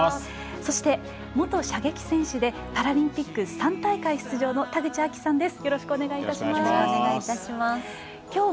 そして、元射撃選手でパラリンピック３大会出場の田口亜希さんです。